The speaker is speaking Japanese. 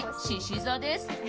しし座です。